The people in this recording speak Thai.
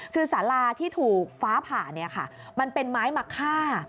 คือสาราที่ถูกฟ้าผ่ามันเป็นไม้มะค่า